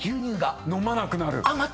飲まなくなる。